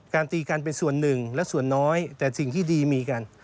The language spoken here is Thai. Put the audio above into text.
ตีกันเป็นส่วนหนึ่งและส่วนน้อยแต่สิ่งที่ดีมีกัน